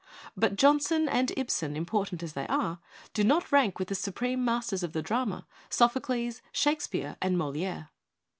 But Jonson and Ibsen, important as they are, do not rank with the su preme masters of the drama, Sophocles, Shak spere and Moliere.